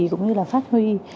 cũng như là phát huy